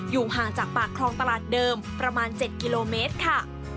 ห่างจากปากคลองตลาดเดิมประมาณ๗กิโลเมตรค่ะ